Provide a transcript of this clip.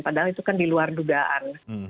padahal itu kan diluar dugaan